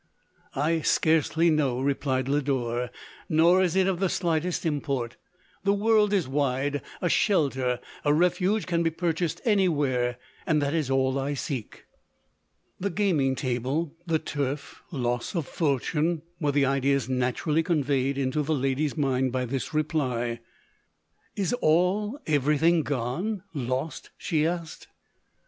" I scarcely know," replied Lodore, " nor is it of the slightest import. The world is wide, a shelter, a refuge can be purchased any where — and that is all I seek." The gaming table, the turf, loss of fortune, were the ideas naturally conveyed into the lady's mind by this reply. " Is all — every thing gone — lost ?" she asked.